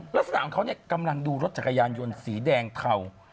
ลักษณะของเขากำลังดูรถจักรยานยนต์สีแดงเทา